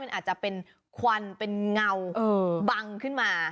มันอาจจะเป็นควันเป็นเงาบังขึ้นมา